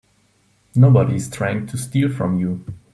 Nobody's trying to steal from you.